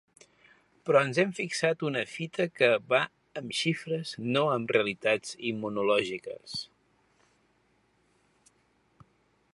Però ens hem fixat una fita que va amb xifres, no amb realitats immunològiques.